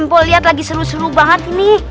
kalau lihat lagi seru seru banget ini